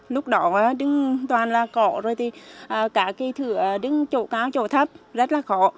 lúc đó đứng toàn là cỏ rồi thì cả cây thửa đứng chỗ cao chỗ thấp rất là khó